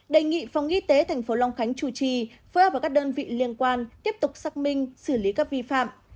đề nghị phòng y tế tp long khánh chủ trì phối hợp với các đơn vị liên quan tiếp tục xác minh xử lý các vi phạm